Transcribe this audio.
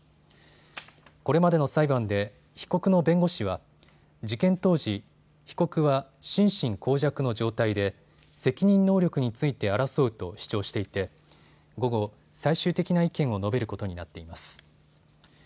これまでの裁判で被告の弁護士は事件当時、被告は心神耗弱の状態で責任能力について争うと主張していて午後、最終的な意見を述べることになっています。